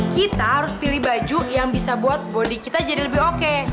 kita harus pilih baju yang bisa buat bodi kita jadi lebih oke